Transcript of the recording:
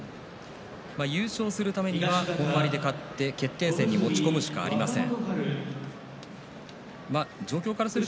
優勝をするためには本割で勝って決定戦に持ち込むしかありません